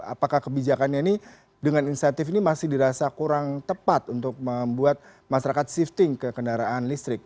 apakah kebijakannya ini dengan insentif ini masih dirasa kurang tepat untuk membuat masyarakat shifting ke kendaraan listrik